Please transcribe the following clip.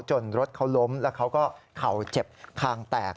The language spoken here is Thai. รถเขาล้มแล้วเขาก็เข่าเจ็บคางแตก